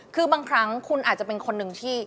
คือบางครั้งคุณอาจจะเป็นคนหนึ่งที่